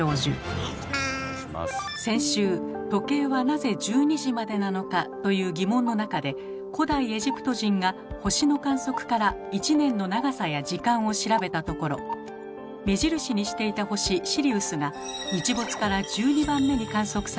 先週「時計はなぜ１２時までなのか？」という疑問の中で古代エジプト人が星の観測から１年の長さや時間を調べたところ目印にしていた星シリウスが日没から１２番目に観測され